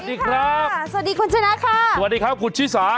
สวัสดีครับสวัสดีคุณชนะค่ะสวัสดีครับคุณชิสา